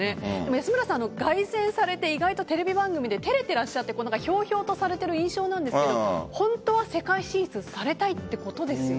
安村さん、凱旋されてテレビ番組で照れていらっしゃってひょうひょうとされている印象なんですけど本当は世界進出されたいということですよね。